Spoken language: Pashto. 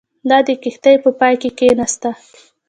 دا د کښتۍ په پای کې کښېناستله.